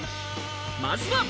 まずは。